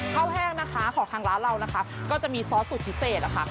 แห้งนะคะของทางร้านเรานะคะก็จะมีซอสสูตรพิเศษนะคะ